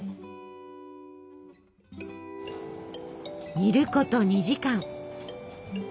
煮ること２時間。